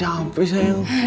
deh akhir bisa udah